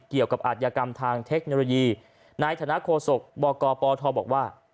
เกี่ยวกับอัตยกรรมทางเทคโนโลยีนายธนโฆษกบปทบอกว่า